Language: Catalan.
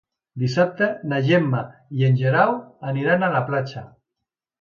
Dissabte na Gemma i en Guerau aniran a la platja.